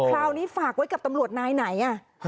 คราวนี้ฝากไว้กับตำรวจนายไหน